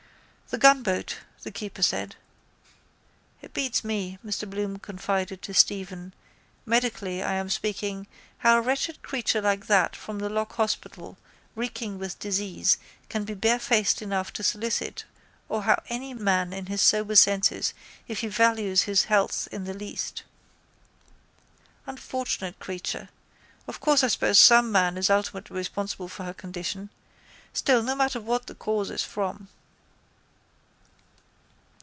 —The gunboat, the keeper said. —It beats me, Mr Bloom confided to Stephen, medically I am speaking, how a wretched creature like that from the Lock hospital reeking with disease can be barefaced enough to solicit or how any man in his sober senses, if he values his health in the least. Unfortunate creature! Of course I suppose some man is ultimately responsible for her condition. Still no matter what the cause is from...